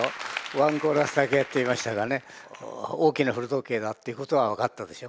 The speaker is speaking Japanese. ワンコーラスだけやってみましたがね「大きな古時計」だっていうことは分かったでしょ？